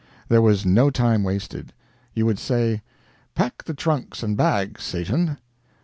There was no time wasted. You would say: "Pack the trunks and bags, Satan."